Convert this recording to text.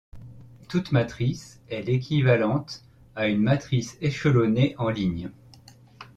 Toute matrice est l-équivalente à une matrice échelonnée en lignes.